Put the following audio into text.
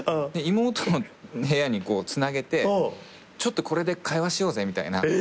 妹の部屋につなげてちょっとこれで会話しようぜみたいな。